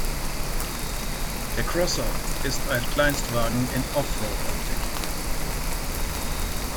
Der Cross Up ist ein Kleinstwagen in Offroad-Optik.